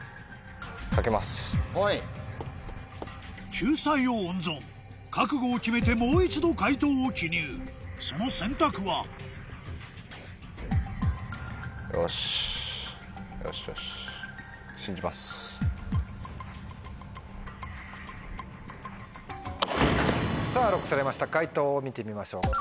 救済を温存覚悟を決めてもう一度解答を記入その選択はさぁＬＯＣＫされました解答を見てみましょう。